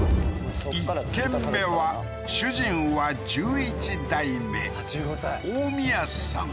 １軒目は主人は１１代目近江屋さん